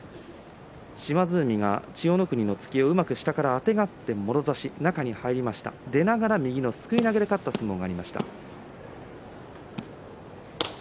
島津海が千代の国の突きを下からうまくあてがってもろ差し出ながらすくい投げで勝った相撲がありました。